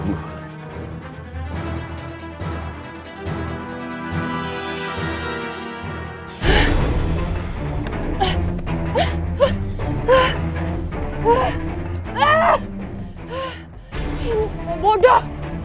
ini semua bodoh